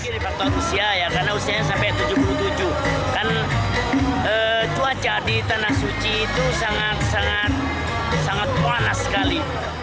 dari faktor usia karena usianya sampai tujuh puluh tujuh cuaca di tanah suci itu sangat sangat panas sekali